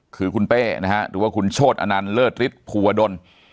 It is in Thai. คือคุณเป้นะฮะหรือว่าคุณโชธอนันต์เลิศฤทธิภูวดล